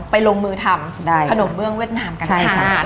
ลงมือทำขนมเบื้องเวียดนามกันค่ะ